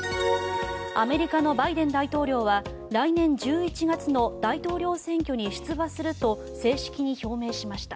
アメリカのバイデン大統領は来年１１月の大統領選挙に出馬すると正式に表明しました。